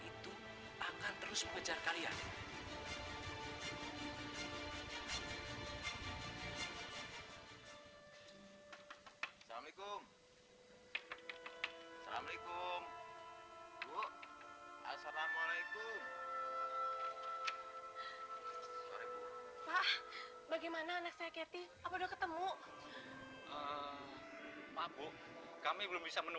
ini semua terjadi gaya gaya kamu